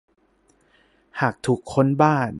หากถูกค้นบ้าน